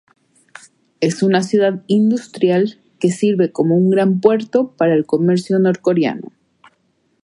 Es una ciudad industrial que sirve como un gran puerto para el comercio norcoreano.